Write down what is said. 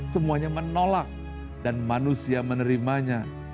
semuanya menolak dan manusia menerimanya